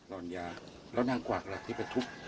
หลอนยาแล้วนางกว่าก็อะไรที่ไปทุบ